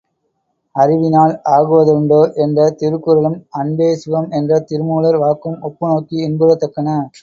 அறிவினால் ஆகுவதுண்டோ என்ற திருக்குறளும் அன்பே சிவம் என்ற திருமூலர் வாக்கும் ஒப்புநோக்கி இன்புறத்தக்கன.